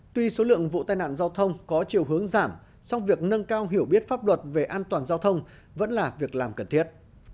tuy số lượng vụ tai nạn giao thông có chiều hướng giảm song việc nâng cao hiểu biết pháp luật về an toàn giao thông vẫn là việc làm cần thiết